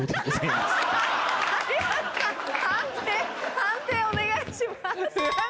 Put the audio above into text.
判定お願いします。